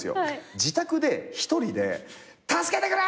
自宅で一人で「助けてくれ！」